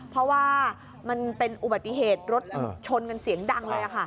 เพราะว่ามันเป็นอุบัติเหตุรถชนกันเสียงดังเลยค่ะ